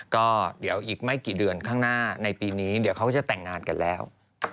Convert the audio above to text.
ก็เดี๋ยวอีกไม่กี่เดือนข้างหน้าในปีนี้เดี๋ยวเขาก็จะแต่งงานกันแล้ว